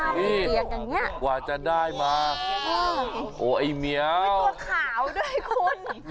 นี่เสียงอย่างนี้กว่าจะได้มาโอ้ไอ้เมียตัวขาวด้วยคุณ